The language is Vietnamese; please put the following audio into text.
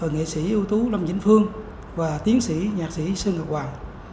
nghệ sĩ ưu tú lâm vĩnh phương và tiến sĩ nhạc sĩ sơn ngọc hoàng